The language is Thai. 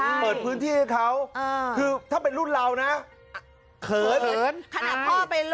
แล้วยามาอยู่พื้นที่ให้เขาถ้าเป็นรุ่นเรานะเขิน